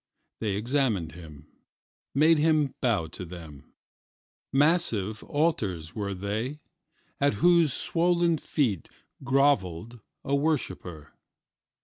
They examined him; made him bow to them:Massive altars were they, at whose swollen feet grovelled a worshiper.